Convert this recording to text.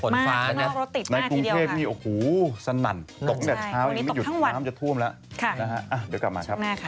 ฝนฟ้านะฮะในกรุงเทพมีโอ้โฮสนั่นตกแดดเช้ายังไม่หยุดน้ำจะท่วมแล้วนะฮะเดี๋ยวกลับมาครับช่วงหน้าค่ะ